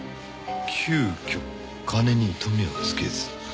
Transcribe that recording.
急遽金に糸目を付けず。